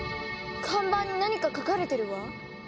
看板に何か書かれてるわ。